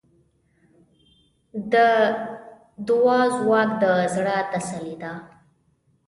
د دعا ځواک د زړۀ تسلي ده.